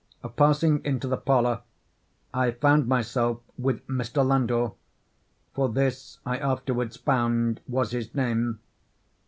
Passing into the parlor, I found myself with Mr. Landor—for this, I afterwards found, was his name.